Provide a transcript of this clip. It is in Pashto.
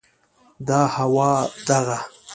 دا هوا، دغه